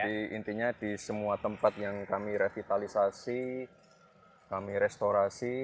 jadi intinya di semua tempat yang kami revitalisasi kami restorasi